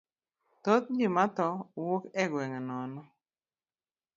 Thoth ji ma tho wuok e gweng' no.